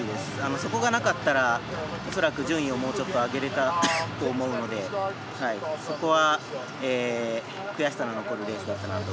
そこがなかったら恐らく順位をもうちょっと上げられたと思うのでそこは悔しさの残るレースだったなと。